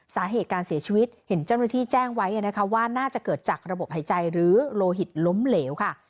สาเหตุการเสียชีวิตเห็นเจ้าหน้าที่แจ้งไว้นะคะว่าน่าจะเกิดจากระบบหายใจหรือโลหิตล้มเหลวค่ะ